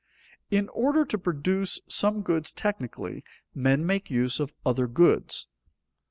In order to produce some goods technically, men make use of other goods.